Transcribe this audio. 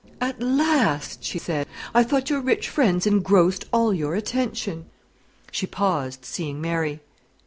"At last!" she said; "I thought your rich friends engrossed all your attention." She paused, seeing Mary.